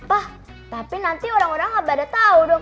pak tapi nanti orang orang ga pada tau dong